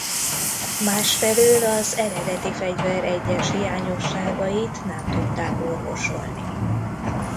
Másfelől az eredeti fegyver egyes hiányosságait nem tudták orvosolni.